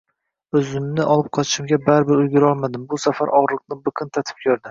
Oʻzimni olib qochishga baribir ulgurolmadim: bu safar ogʻriqni biqin tatib koʻrdi.